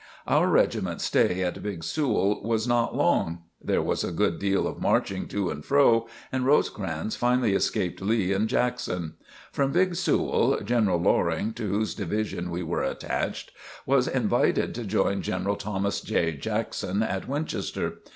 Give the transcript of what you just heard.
Our regiment's stay at Big Sewell was not long. There was a good deal of marching to and fro, and Rosecrans finally escaped Lee and Jackson. From Big Sewell, General Loring, to whose division we were attached, was invited to join General Thomas J. Jackson at Winchester.